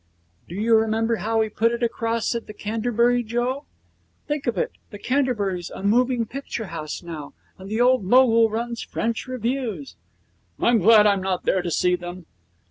'Do you remember how we put it across at the Canterbury, Joe? Think of it! The Canterbury's a moving picture house now, and the old Mogul runs French revues.' 'I'm glad I'm not there to see them.'